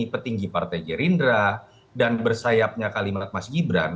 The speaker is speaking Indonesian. petinggi partai gerindra dan bersayapnya kalimat mas gibran